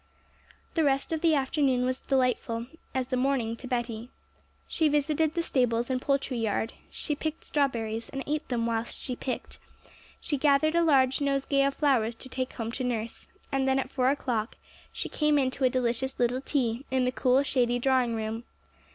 The rest of the afternoon was as delightful as the morning to Betty. She visited the stables and poultry yard; she picked strawberries, and ate them whilst she picked; she gathered a large nosegay of flowers to take home to nurse; and then, at four o'clock, she came in to a delicious little tea in the cool, shady drawing room.